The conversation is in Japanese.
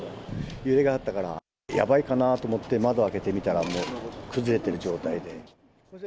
揺れがあったから、やばいかなと思って窓開けてみたら、崩れてる状態で。